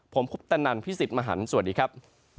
ผมคุปตนันพี่สิทธิ์มหันฯสวัสดีครับ